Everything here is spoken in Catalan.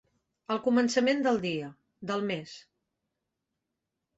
El començament del dia, del mes.